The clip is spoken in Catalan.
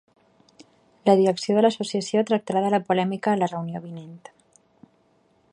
La direcció de l’associació tractarà de la polèmica en la reunió vinent.